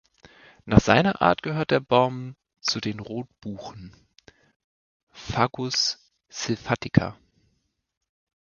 Nach seiner Art gehört der Baum zu den Rotbuchen ("Fagus sylvatica").